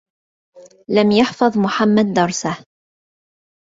لَمْ يَحْفَظْ محمدٌ دَرْسَهُ.